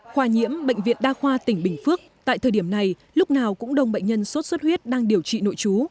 khoa nhiễm bệnh viện đa khoa tỉnh bình phước tại thời điểm này lúc nào cũng đông bệnh nhân sốt xuất huyết đang điều trị nội chú